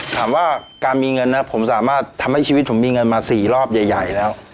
ถามว่าการมีเงินนะผมสามารถทำให้ชีวิตผมมีเงินมา๔รอบใหญ่แล้ว